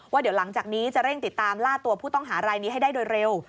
ว่าเดี๋ยวหลังจากนี้จะเร่งติดตามล่าตัวผู้ต้องหารายนี้ให้ได้โดยเร็ว